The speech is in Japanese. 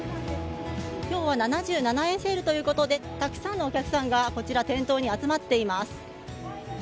今日は７７円セールということでたくさんのお客さんが店頭に集まっています。